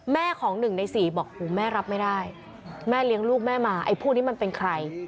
แม่ของหนึ่งในสี่บอกแม่รับไม่ได้แม่เลี้ยงลูกแม่มาไอ้ผู้นี้มันเป็นใคร